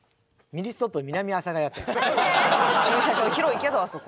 駐車場広いけどあそこ。